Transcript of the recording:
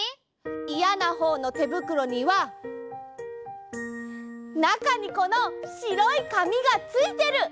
いやなほうのてぶくろにはなかにこのしろいかみがついてる！